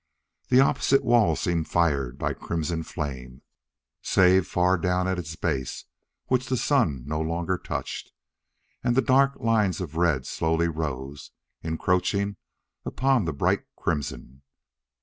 The opposite wall seemed fired by crimson flame, save far down at its base, which the sun no longer touched. And the dark line of red slowly rose, encroaching upon the bright crimson.